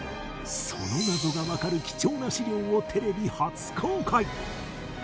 その謎がわかる貴重な史料をテレビ初公開